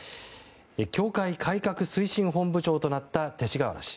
教会改革推進本部長となった勅使河原氏。